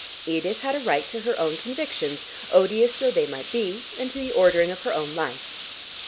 Edith had a right to her own convictions, odious though they might be, and to the ordering of her own life.